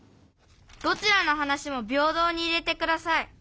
「どちらの話もびょうどうにいれてください」。